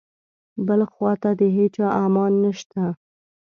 بل خواته د هیچا امان نشته.